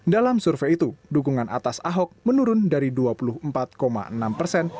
dalam survei itu dukungan atas ahok menurun dari dua puluh empat enam persen